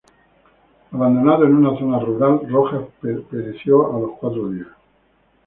Abandonado en una zona rural, Rojas pereció a los cuatro días.